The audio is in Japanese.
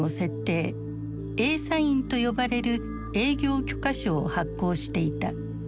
「Ａサイン」と呼ばれる営業許可証を発行していた。